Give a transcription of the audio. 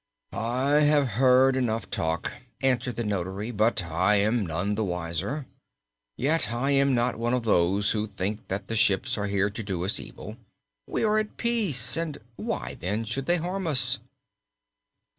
"I have heard enough talk," answered the notary, "but I am none the wiser. Yet I am not one of those who think that the ships are here to do us evil. We are at peace and, why then, should they harm us?"